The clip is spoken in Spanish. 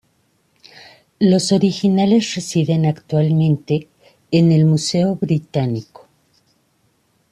Los originales residen actualmente en el Museo Británico.